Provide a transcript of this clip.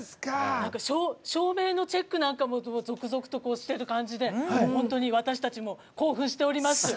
照明のチェックなんかも続々としている感じで本当に私たちも興奮しております。